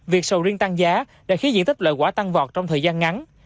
việc sầu riêng tăng giá đã khiến diện tích lợi quả tăng vọt trong thời gian ngắn